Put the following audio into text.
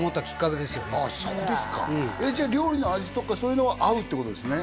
そうですかじゃあ料理の味とかそういうのは合うってことですね